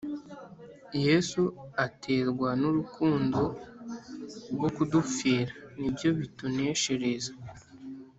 Yesu aterwa n’urukundo rwo kudupfira nibyo bituneshereza